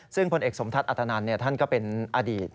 ซึ่งพลเอกสมทัศอัตนันท่านก็เป็นอดีต